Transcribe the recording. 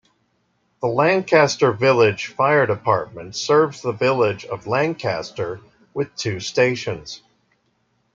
The Lancaster Village Fire Department serves the village of Lancaster with two stations.